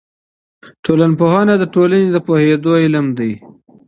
ټولنپوهنه د ټولني د پوهېدو علم دی.